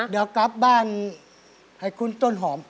เดี๋ยวกลับบ้านให้คุณต้นหอม